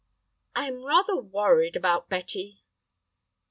"I am rather worried about Betty."